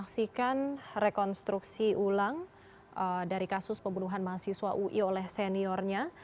melakukan rekonstruksi pulang pembentuhan mahasiswa ui oleh seniornya